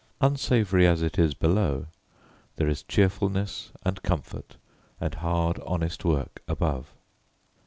Unsavoury as it is below, there is cheerfulness, and comfort, and hard, honest work above.